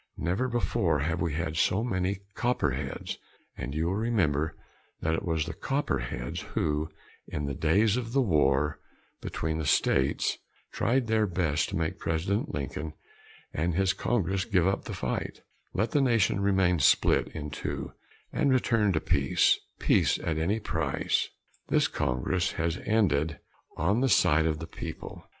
Never before have we had so many Copperheads and you will remember that it was the Copperheads who, in the days of the War between the States, tried their best to make President Lincoln and his Congress give up the fight, let the nation remain split in two and return to peace peace at any price. This Congress has ended on the side of the people.